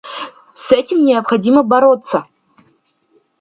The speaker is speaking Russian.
С этим необходимо бороться.